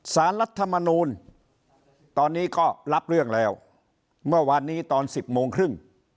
รัฐมนูลตอนนี้ก็รับเรื่องแล้วเมื่อวานนี้ตอน๑๐โมงครึ่ง